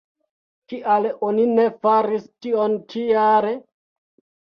Kial oni ne faris tion ĉi-jare?